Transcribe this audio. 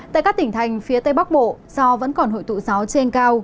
tại các tỉnh thành phía tây bắc bộ do vẫn còn hội tụ gió trên cao